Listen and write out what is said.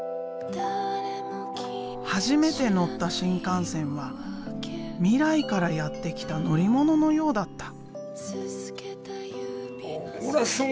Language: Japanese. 初めて乗った新幹線は未来からやって来た乗り物のようだった。